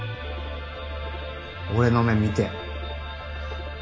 俺の目見てよ。